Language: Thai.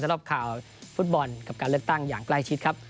สำหรับข่าวฟุตบอลกับการเลือกตั้งอย่างใกล้ชิดครับ